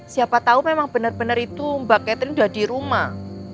siapa tahu memang benar benar itu mbak catherine sudah di rumah